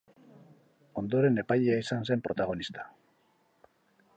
Ondoren epailea izan zen protagonista.